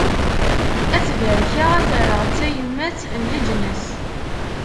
Ad t-barkeɣ, Ad t-rreɣ d tayemmat n leǧnas.